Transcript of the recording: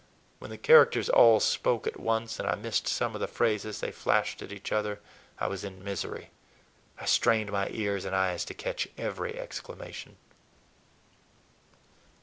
When the characters all spoke at once and I missed some of the phrases they flashed at each other, I was in misery. I strained my ears and eyes to catch every exclamation.